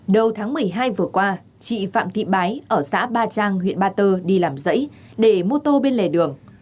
đầu tháng một mươi hai vừa qua chị phạm thị bái ở xã ba trang huyện ba tơ đi làm dãy để mô tô bên lề đường